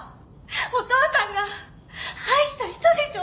お父さんが愛した人でしょ！？